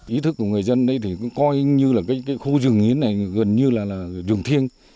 ý thức của người dân đây thì cũng coi như là cái khu rừng nghiến này gần như là rừng thiêng